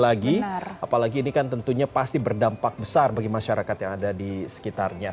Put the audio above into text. apalagi ini kan tentunya pasti berdampak besar bagi masyarakat yang ada di sekitarnya